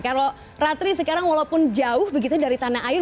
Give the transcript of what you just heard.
kalau ratri sekarang walaupun jauh begitu dari tanah air